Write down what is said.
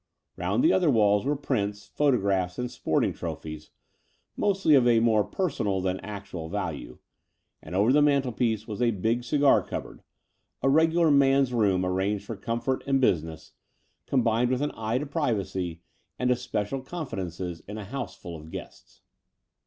Round the other walls were prints, photographs, and sporting trophies, mostly of a more personal than actual value, and over the mantelpiece was a big cigar cupboard — a regular man's room arranged for comfort and business, The Dower House 251 combined with an eye to privacy and especial confidences in a house ftdl of guests.